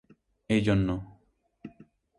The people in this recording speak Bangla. এই জন্য।